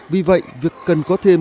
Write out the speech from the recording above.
vì vậy việc cần có thêm